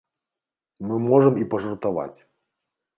Мы можам і пажартаваць.